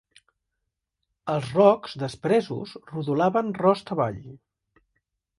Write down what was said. Els rocs despresos rodolaven rost avall.